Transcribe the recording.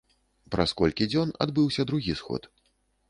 Праз колькі дзён адбыўся другі сход.